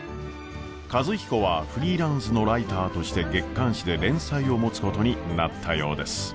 和彦はフリーランスのライターとして月刊誌で連載を持つことになったようです。